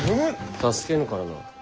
助けぬからな。